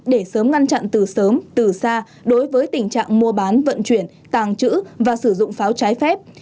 để sớm ngăn chặn từ sớm từ xa đối với tình trạng mua bán vận chuyển tàng trữ và sử dụng pháo trái phép